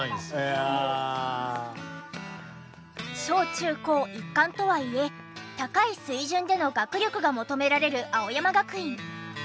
小中高一貫とはいえ高い水準での学力が求められる青山学院。